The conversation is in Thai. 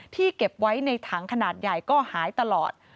เก็บไว้ในถังขนาดใหญ่ก็หายตลอด